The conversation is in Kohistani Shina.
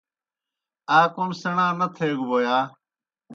آ کوْم سیْݨا نہ تھیگہ بوْ یا؟